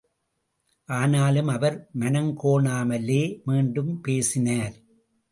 ஆனாலும் அவர் மனங்கோணாமலே மீண்டும் பேசினார்.